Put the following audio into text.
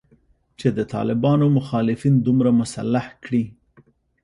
چې د طالبانو مخالفین دومره مسلح کړي